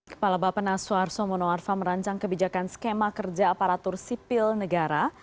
kepala bapenas soarso monoarfa merancang kebijakan skema kerja aparatur sipil negara